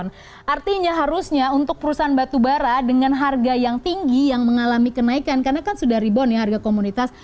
nah artinya harusnya untuk perusahaan batubara dengan harga yang tinggi yang mengalami kenaikan karena kan sudah rebound ya harga komunitas